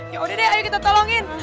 ya udah deh ayo kita tolongin